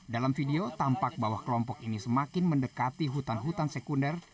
dalam video tampak bahwa kelompok ini semakin mendekati hutan hutan sekunder